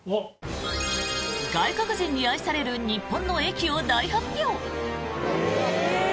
外国人に愛される日本の駅を大発表！